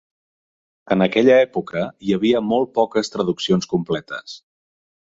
En aquella època hi havia molt poques traduccions completes.